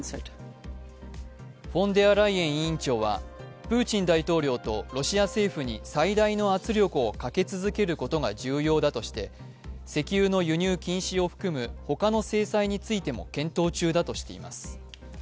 フォンデアライエン委員長はプーチン大統領とロシア政府に最大の圧力をかけ続けることが重要だとして石油の輸入禁止を含む他の制裁についても検討中だとしています。